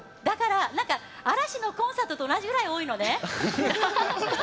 嵐のコンサートと同じくらい多いのね。